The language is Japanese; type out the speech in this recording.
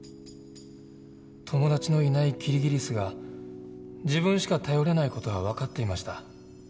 友達のいないキリギリスが自分しか頼れない事は分かっていました。